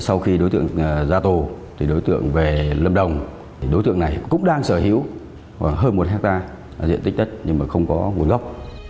sau khi đối tượng ra tù thì đối tượng về lâm đồng đối tượng này cũng đang sở hữu khoảng hơn một hectare diện tích đất nhưng mà không có nguồn gốc